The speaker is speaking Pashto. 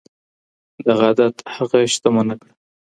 دغه عادت هغه شتمنه کړه.